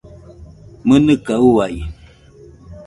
¡Mɨnɨka uai!